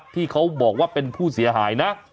ที่เขาบอกว่าเป็นผู้เสียหายนะ